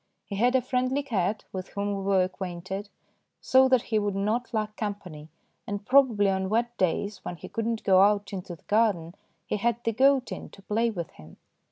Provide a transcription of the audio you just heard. He had a friendly cat, with whom we were acquainted, so that he would not lack com pany, and probably on wet days when he could not go out into the garden he had the goat in to play with him.